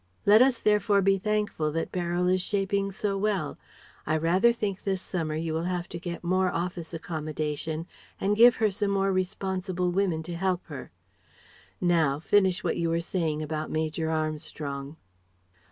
Let us therefore be thankful that Beryl is shaping so well. I rather think this summer you will have to get more office accommodation and give her some more responsible women to help her.... Now finish what you were saying about Major Armstrong."